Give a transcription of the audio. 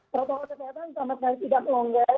protokol kesehatan selama tiga tahun tidak melonggar